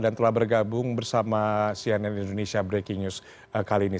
dan telah bergabung bersama cnn indonesia breaking news kali ini